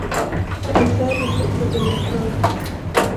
كَأَمثالِ اللُّؤلُؤِ المَكنونِ